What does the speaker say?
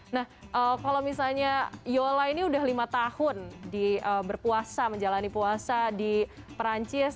nah kalau misalnya yola ini udah lima tahun berpuasa menjalani puasa di perancis